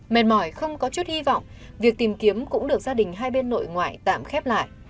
mệt mỏi không có chút hy vọng việc tìm kiếm cũng được gia đình hai bên nội ngoại tạm khép lại